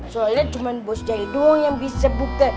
soalnya cuma bos jahil doang yang bisa buka